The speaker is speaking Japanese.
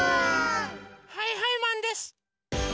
はいはいマンです！